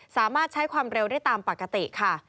สามารถใช้ความเร็วได้ตามปกติค่ะ